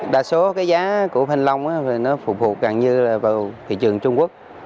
đa số giá của thanh long phục vụt gần như thị trường trung quốc